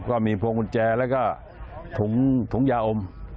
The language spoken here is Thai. ก็มีพลงกุญแจแล้วก็ถุงถุงยาอม